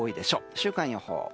週間予報。